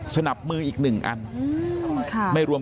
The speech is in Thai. ท่านดูเหตุการณ์ก่อนนะครับ